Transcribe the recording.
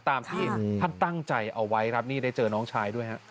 ตามที่ท่านตั้งใจเอาไว้ครับนี่ได้เจอน้องชายด้วยฮะ